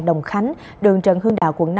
đồng khánh đường trận hương đạo quận năm